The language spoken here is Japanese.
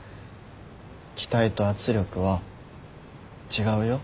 期待と圧力は違うよ。